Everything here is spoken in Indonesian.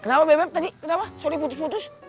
kenapa bbm tadi kenapa sorry putus putus